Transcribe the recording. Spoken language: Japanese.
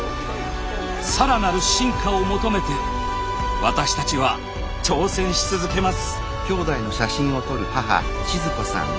更なる進化を求めて私たちは挑戦し続けます。